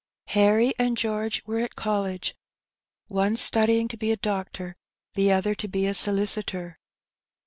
Harry and George were at college, one studying to be a doctor, the other to be a solicitor.